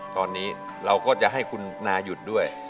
ตอนนี้เราก็จะให้คุณนาหยุดด้วย